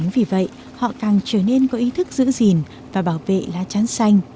vì vậy họ càng trở nên có ý thức giữ gìn và bảo vệ lá trán xanh